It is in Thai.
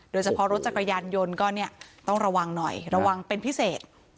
โดยเฉพาะรถจักรยานยนต์ก็เนี่ยต้องระวังหน่อยระวังเป็นพิเศษ